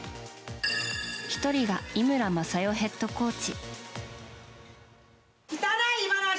１人が井村雅代ヘッドコーチ。